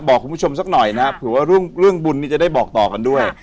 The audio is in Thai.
บอกคุณผู้ชมสักหน่อยนะครับเผื่อว่าเรื่องบุญนี้จะได้บอกต่อกันด้วย